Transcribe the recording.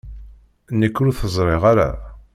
Nekk ur t-ẓriɣ ara.